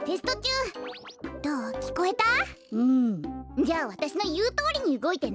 じゃあわたしのいうとおりにうごいてね。